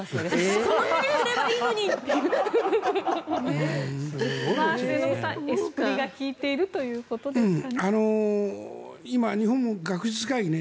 末延さん、エスプリが効いているということですかね。